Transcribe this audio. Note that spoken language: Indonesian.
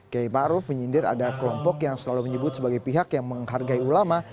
kiai maruf menyindir ada kelompok yang selalu menyebut sebagai pihak yang menghargai ulama